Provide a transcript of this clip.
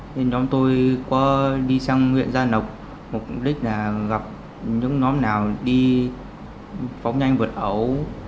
nên nhóm tôi có đi sang huyện gia lộc mục đích là gặp những nhóm nào đi phóng nhanh vượt ẩu